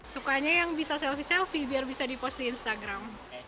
sukanya yang bisa selfie selfie biar bisa di post di instagram